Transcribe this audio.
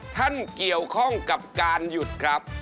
ท่านเกี่ยวข้องกับการหยุดครับ